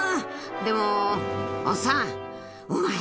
でもおっさんお前。